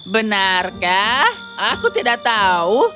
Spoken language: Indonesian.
benarkah aku tidak tahu